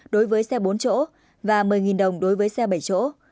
đối với xe bốn chỗ và một mươi đồng đối với xe bảy chỗ